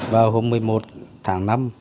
vào hôm một mươi một tháng năm